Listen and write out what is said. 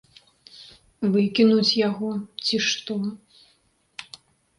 Выкінуць яго, ці што?